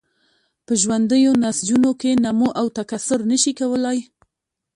په ژوندیو نسجونو کې نمو او تکثر نشي کولای.